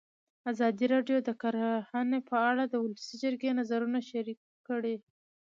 ازادي راډیو د کرهنه په اړه د ولسي جرګې نظرونه شریک کړي.